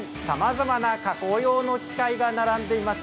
さまざまな加工用の機械が並んでいます。